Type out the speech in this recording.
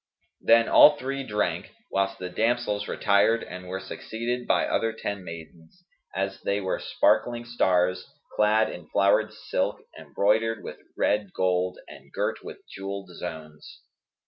Then all three drank, whilst the damsels retired and were succeeded by other ten maidens, as they were sparkling stars, clad in flowered silk embroidered with red gold and girt with jewelled zones.